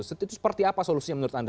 itu seperti apa solusinya menurut anda